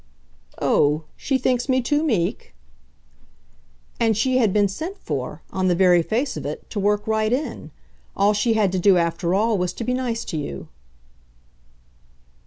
"Oh, she thinks me too meek?" "And she had been sent for, on the very face of it, to work right in. All she had to do, after all, was to be nice to you."